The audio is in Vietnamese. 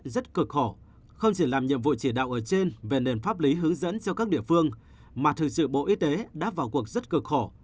rất cực khổ không chỉ làm nhiệm vụ chỉ đạo ở trên về nền pháp lý hướng dẫn cho các địa phương mà thực sự bộ y tế đã vào cuộc rất cực khổ